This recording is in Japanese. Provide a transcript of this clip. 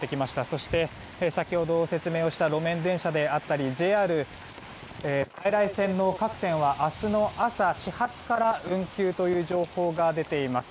そして、先ほど説明をした路面電車であったりＪＲ在来線の各線は明日の朝、始発から運休という情報が出ています。